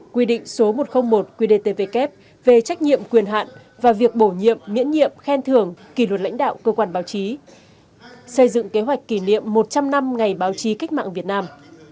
quy định số một trăm linh một qdtvk về trách nhiệm quyền hạn và việc bổ nhiệm miễn nhiệm khen thưởng kỷ luật lãnh đạo cơ quan báo chí xây dựng kế hoạch kỷ niệm một trăm linh năm ngày báo chí cách mạng việt nam